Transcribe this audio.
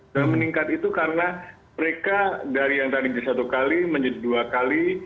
dan meningkat itu karena mereka dari yang tadi bisa satu kali menjadi dua kali